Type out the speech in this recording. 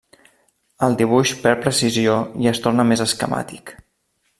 El dibuix perd precisió i es torna més esquemàtic.